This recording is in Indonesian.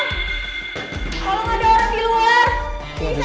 tolong ada orang di luar